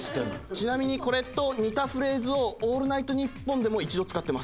ちなみにこれと似たフレーズを『オールナイトニッポン』でも一度使ってます。